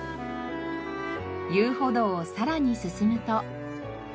遊歩道をさらに進むと。